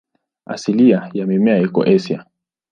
Asili ya mimea iko Asia.